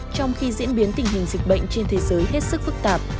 trong khi diễn biến tình hình dịch bệnh trên thế giới hết sức phức tạp